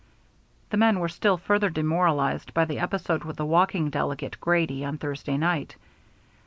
The men were still further demoralized by the episode with the walking delegate, Grady, on Thursday night.